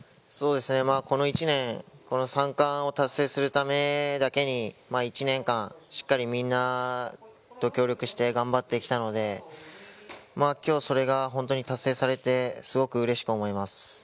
この１年、３冠を達成するためだけに、しっかりみんなと協力して頑張ってきたので今日、それが本当に達成されて、すごくうれしく思います。